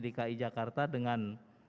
dki jakarta dengan